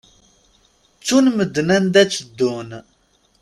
Ttun medden anda tteddun.